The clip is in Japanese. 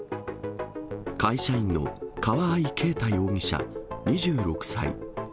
会社員の川合啓太容疑者２６歳。